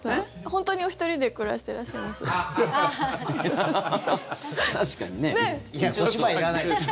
本当にお一人で暮らしていらっしゃるんです？